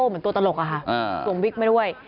เหมือนตัวตลกอะค่ะสวมวิกมาด้วย